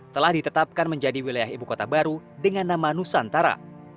telah ditetapkan menjadi wilayah ibu kota baru dengan nama nusantara